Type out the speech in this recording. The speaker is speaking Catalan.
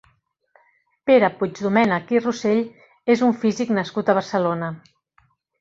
Pere Puigdomènech i Rosell és un físic nascut a Barcelona.